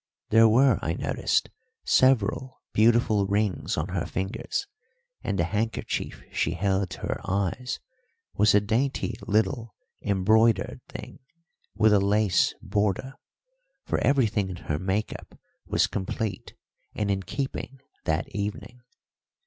There were, I noticed, several beautiful rings on her fingers, and the handkerchief she held to her eyes was a dainty little embroidered thing with a lace border; for everything in her make up was complete and in keeping that evening.